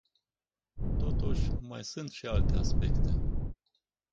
Totuși, mai sunt și alte aspecte.